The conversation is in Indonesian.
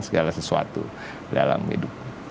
segala sesuatu dalam hidupmu